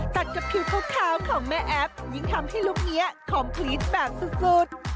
ตัดกับคิวพุกคาวของแม่แอฟยิ่งทำให้ลูกเนี้ยคอมพลีตแบบสุดสุด